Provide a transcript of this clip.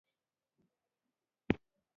ټاپو د وچې یوه ټوټه ده چې په اوبو کې پرته وي.